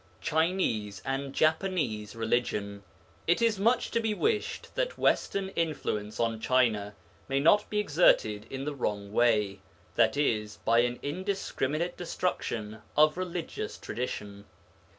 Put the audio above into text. CHINESE AND JAPANESE RELIGION It is much to be wished that Western influence on China may not be exerted in the wrong way, i.e. by an indiscriminate destruction of religious tradition.